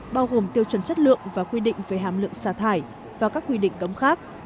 bao gồm tiêu chuẩn chất lượng và quy định về hàm lượng xả thải và các quy định cấm khác